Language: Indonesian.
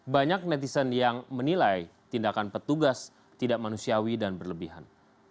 banyak netizen yang menilai tindakan petugas tidak manusiawi dan berlebihan